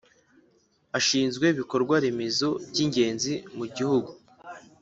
Ashinzwe ibikorwa remezo by’ingenzi mu gihugu